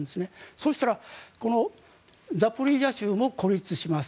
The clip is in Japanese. そしたらザポリージャ州も孤立します